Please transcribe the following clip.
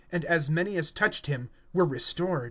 And as many as touched him were made whole.